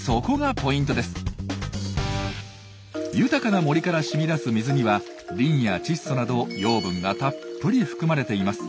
豊かな森からしみ出す水にはリンや窒素など養分がたっぷり含まれています。